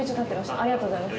ありがとうございます